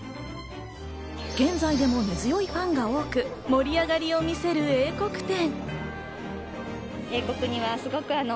現在でも根強いファンが多く、盛り上がりを見せる英国展。